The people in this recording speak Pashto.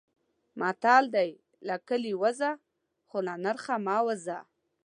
متل دی: له کلي ووځه خو له نرخه مه وځه.